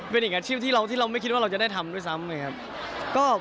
เป็นอีกอาชีพที่เราไม่คิดว่าเราจะได้ทำด้วยซ้ำไงครับ